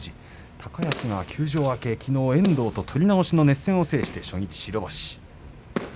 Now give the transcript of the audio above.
高安が休場明け、きのう遠藤と取り直しの熱戦を制して初日白星。